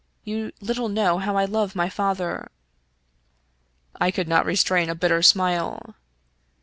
You little know how I love my father." I could not restrain a bitter smile.